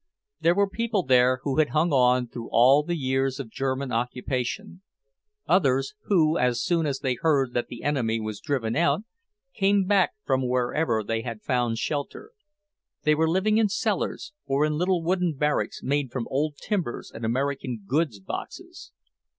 There were people there who had hung on all through the years of German occupation; others who, as soon as they heard that the enemy was driven out, came back from wherever they had found shelter. They were living in cellars, or in little wooden barracks made from old timbers and American goods boxes.